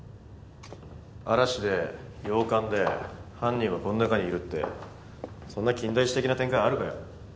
嵐で洋館で犯人はこん中にいるってそんな金田一的な展開あるかよ。